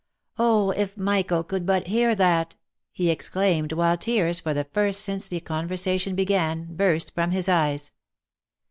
u Oh ! if Michael could but hear that !" he exclaimed, while tears, for the first since the conversation began, burst from his eyes.